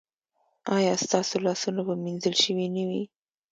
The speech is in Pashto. ایا ستاسو لاسونه به مینځل شوي نه وي؟